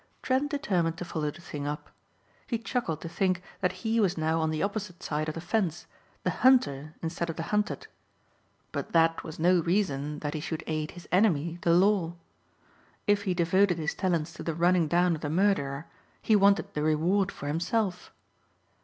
Trent determined to follow the thing up. He chuckled to think that he was now on the opposite side of the fence, the hunter instead of the hunted. But that was no reason that he should aid his enemy the law. If he devoted his talents to the running down of the murderer he wanted the reward for himself.